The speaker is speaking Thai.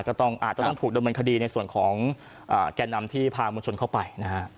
อาจจะต้องถูกดำเนินคดีในส่วนของแก่นำที่พามวลชนเข้าไปนะฮะ